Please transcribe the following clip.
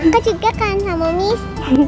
kecil juga kangen sama mis